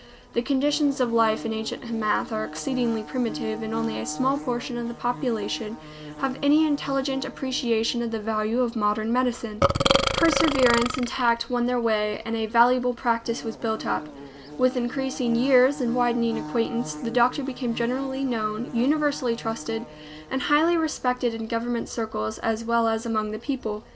The conditions of life in ancient Hamath are exceedingly primitive and only a small portion of the population have any intelligent appreciation of the value of modern medicine. Perseverance and tact won their way and a valuable practice was built up. With increasing years and widening acquaintance, the doctor became generally known, universally trusted, and highly respected in government circles as well as among the people.